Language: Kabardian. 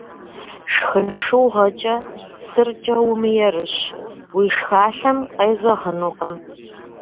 Шхын шыугъэкӏэ, сыркӏэ умыерыщ, уи шхалъэм къезэгъынукъым.